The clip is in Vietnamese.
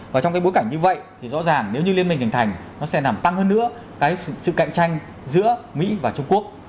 và trong cái bối cảnh như vậy thì rõ ràng nếu như liên minh hình thành nó sẽ làm tăng hơn nữa cái sự cạnh tranh giữa mỹ và trung quốc